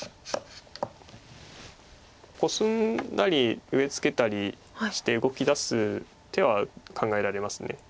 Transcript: コスんだり上ツケたりして動きだす手は考えられます。